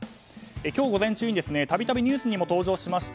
今日午前中に度々ニュースにも登場しました